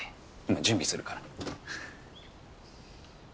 今準備するから。